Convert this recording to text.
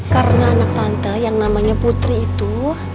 karena anak tante yang namanya putri itu